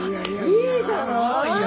いいじゃない！